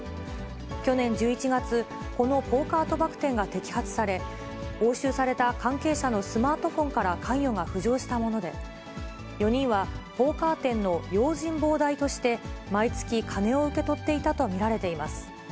去年１１月、このポーカー賭博店が摘発され、押収された関係者のスマートフォンから関与が浮上したもので、４人は、ポーカー店の用心棒代として、毎月、金を受け取っていたと見られています。